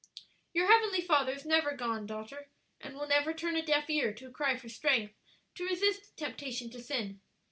"Your heavenly Father is never gone, daughter, and will never turn a deaf ear to a cry for strength to resist temptation to sin.